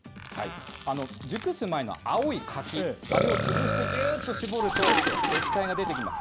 熟す前の青い柿、あれを潰して、ぎゅーっと搾ると液体が出てきます。